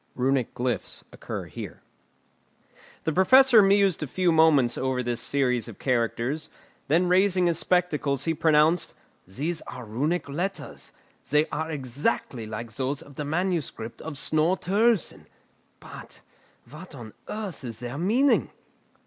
[Runic glyphs occur here] The Professor mused a few moments over this series of characters; then raising his spectacles he pronounced: "These are Runic letters; they are exactly like those of the manuscript of Snorre Turlleson. But, what on earth is their meaning?"